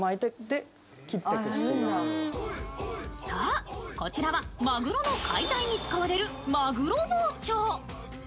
そう、こちらはマグロの解体に使われる、マグロ包丁。